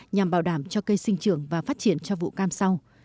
nhằm bảo đảm cho cây sinh trưởng và phát triển cho vụ cam sau